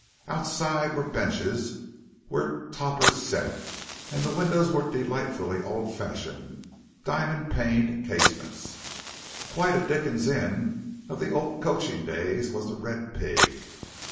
Outside were benches, where topers sat, and the windows were delightfully old fashioned, diamond paned casements. Quite a Dickens inn of the old coaching days was "The Red Pig."